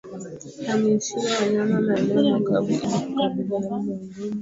Hamishia wanyama maeneo makavu ili kukabiliana na ugonjwa